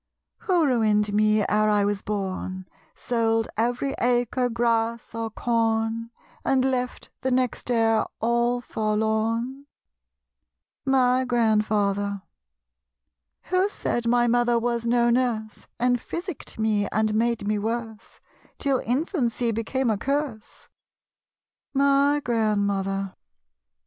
Who ruined me ere I was born, Sold every acre, grass or corn, And left the next heir all forlorn? My Grandfather. Who said my mother was no nurse. And physicked me and made me worse, Till infancy became a curse? My Grandmother.